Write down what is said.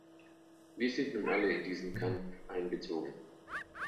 Wir sind nun alle in diesen Kampf einbezogen.